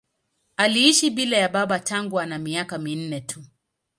Aliishi bila ya baba tangu ana miaka minne tu.